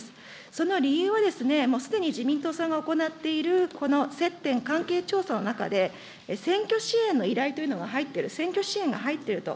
その理由は、もうすでに自民党さんが行っている、この接点関係調査の中で、選挙支援の依頼というのが入っている、選挙支援が入っていると。